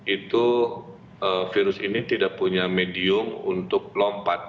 itu virus ini tidak punya medium untuk lompat